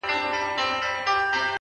چي واکداران مو د سرونو په زاريو نه سي;